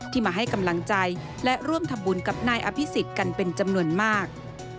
มาให้กำลังใจและร่วมทำบุญกับนายอภิษฎกันเป็นจำนวนมาก